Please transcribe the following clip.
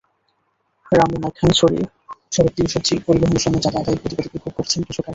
রামু-নাইক্ষ্যংছড়ি সড়ক দিয়ে সবজি পরিবহনের সময় চাঁদা আদায়ের প্রতিবাদে বিক্ষোভ করেছেন কৃষকেরা।